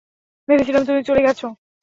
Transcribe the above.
ভেবেছিলাম তুমি চলে গেছ।